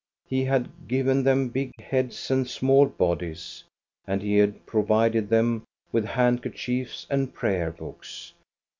He had given them big heads and small bodies, and he had provided them with hand kerchiefs and prayer books.